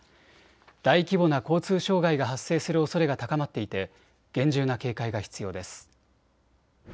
大規模な交通障害が発生するおそれが高まっていて厳重な警戒が必要です。